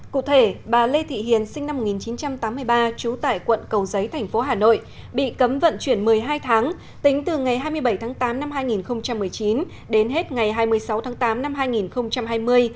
cụ thể bà lê thị hiền sinh năm một nghìn chín trăm tám mươi ba trú tại quận cầu giấy thành phố hà nội bị cấm vận chuyển một mươi hai tháng tính từ ngày hai mươi bảy tháng tám năm hai nghìn một mươi chín đến hết ngày hai mươi sáu tháng tám năm hai nghìn hai mươi